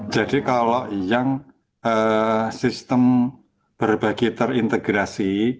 jadi kalau yang sistem berbagai terintegrasi